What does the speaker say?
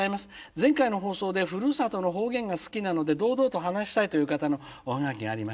前回の放送でふるさとの方言が好きなので堂々と話したいという方のおハガキがありましたね」。